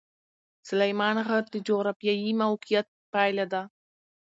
سلیمان غر د جغرافیایي موقیعت پایله ده.